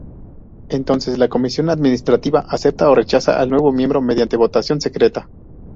Entonces la comisión administrativa acepta o rechaza al nuevo miembro mediante votación secreta.